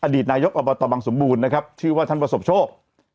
ดีตนายกอบตบังสมบูรณ์นะครับชื่อว่าท่านประสบโชค